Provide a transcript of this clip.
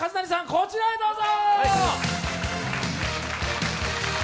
こちらへどうぞ。